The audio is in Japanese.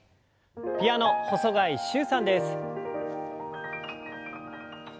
ピアノ細貝柊さんです。